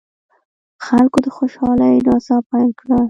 خلکو له خوشالۍ نڅا پیل کړه.